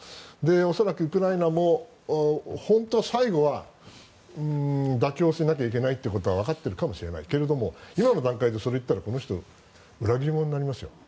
恐らくウクライナも本当は最後は妥協しなきゃいけないということはわかっているかもしれないけれども、今の段階でそれを言ったらこの人は裏切り者になりますよ。